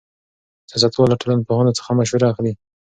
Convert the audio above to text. سیاستوال له ټولنپوهانو څخه مشوره اخلي.